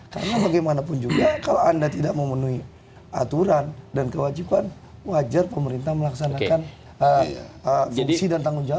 karena bagaimanapun juga kalau anda tidak memenuhi aturan dan kewajipan wajar pemerintah melaksanakan fungsi dan tanggung jawabnya